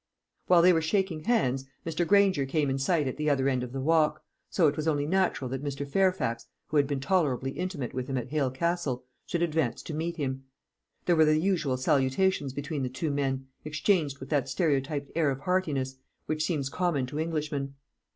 While they were shaking hands, Mr. Granger came in sight at the other end of the walk; so it was only natural that Mr. Fairfax, who had been tolerably intimate with him at Hale Castle, should advance to meet him. There were the usual salutations between the two men, exchanged with that stereotyped air of heartiness which seems common to Englishmen.